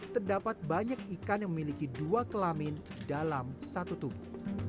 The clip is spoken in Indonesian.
terdapat banyak ikan yang memiliki dua kelamin dalam satu tubuh